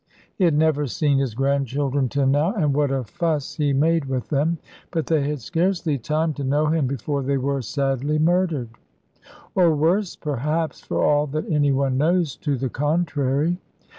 He had never seen his grandchildren till now, and what a fuss he made with them! But they had scarcely time to know him before they were sadly murdered; or worse, perhaps, for all that any one knows to the contrary.